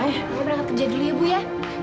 ibu berangkat kerja dulu ya bu ya